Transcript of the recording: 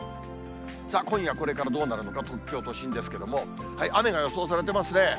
さあ、今夜これからどうなるのか、東京都心ですけれども、雨が予想されてますね。